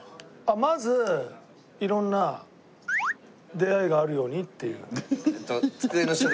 まず色んな出会いがあるようにっていう。